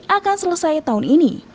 akan selesai tahun ini